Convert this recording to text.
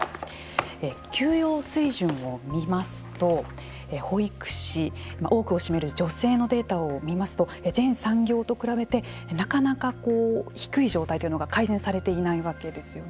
給与水準を見ますと保育士多くの占める女性のデータを見ますと全産業と比べてなかなか低い状態というのが改善されていないわけですよね。